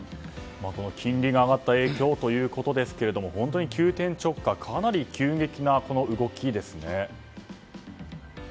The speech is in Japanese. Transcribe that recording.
金利が上がった影響ということですが本当に急転直下かなり急激な動きですね。